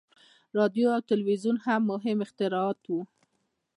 • راډیو او تلویزیون هم مهم اختراعات وو.